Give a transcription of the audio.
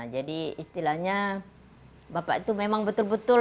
jadi istilahnya bapak itu memang betul betul